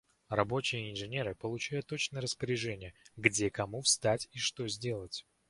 Рабочие и инженеры получают точное распоряжение, где кому встать и что сделать.